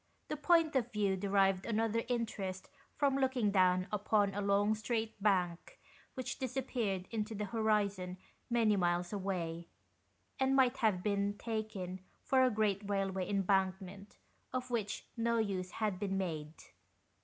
The point of view derived another interest from looking down upon a long straight bank which disappeared into the horizon many miles away, and might have been taken for a great railway embankment of which no use had been made.